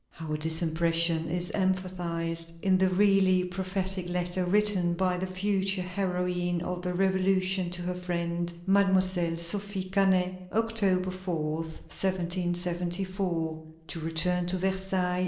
'" How this impression is emphasized in the really prophetic letter written by the future heroine of the Revolution to her friend, Mademoiselle Sophie Cannet, October 4, 1774: "To return to Versailles.